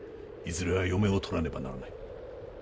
いずれは嫁をとらねばならない。